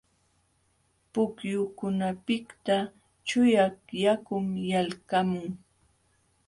Pukyukunapiqta chuyaq yakun yalqamun.